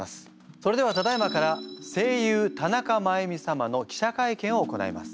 それではただいまから声優田中真弓様の記者会見を行います。